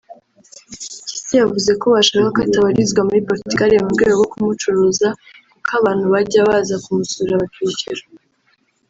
Mpyisi yavuze ko bashakaga ko atabarizwa muri Portugal mu rwego rwo kumucuruza kuko abantu bajya baza kumusura bakishyura